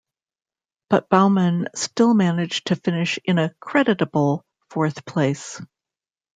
But Baumann still managed to finish in a creditable fourth place.